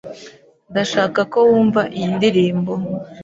Ndashaka ko wumva iyi ndirimbo.